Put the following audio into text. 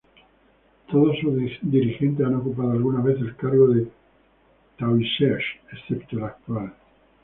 Todos sus dirigentes han ocupado alguna vez el cargo de Taoiseach, excepto el actual.